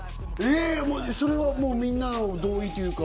それはもう、みんなの同意というか？